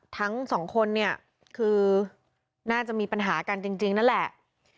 ทั้งสองคนเนี่ยคือน่าจะมีปัญหากันจริงนั่นแหละ